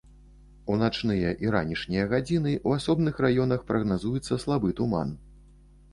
У начныя і ранішнія гадзіны ў асобных раёнах прагназуецца слабы туман.